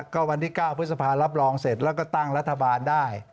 ก็วันที่๙พฤษภารับรองเสร็จแล้วก็ตั้งรัฐบาลได้